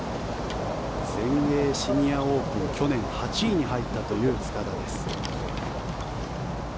全英シニアオープン去年８位に入ったという塚田です。